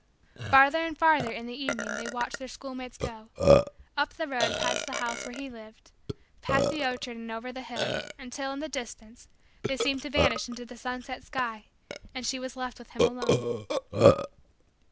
Farther and farther in the evening they watched their schoolmates go up the road past the house where he lived past the orchard and over the hill until, in the distance, they seemed to vanish into the sunset sky and she was left with him alone.